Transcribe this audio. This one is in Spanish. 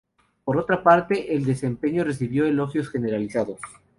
Por otra parte, el desempeño recibió elogios generalizados.